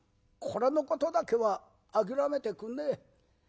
これのことだけは諦めてくんねえ。